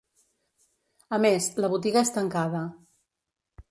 A més, la botiga és tancada.